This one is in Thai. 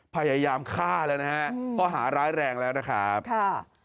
พยายามฆ่าแล้วนะฮะข้อหาร้ายแรงแล้วนะครับค่ะ